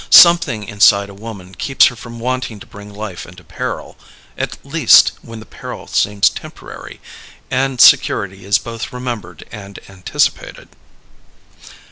Something inside a woman keeps her from wanting to bring life into peril at least, when the peril seems temporary, and security is both remembered and anticipated.